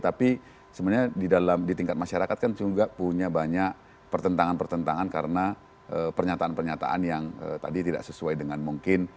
tapi sebenarnya di tingkat masyarakat kan juga punya banyak pertentangan pertentangan karena pernyataan pernyataan yang tadi tidak sesuai dengan mungkin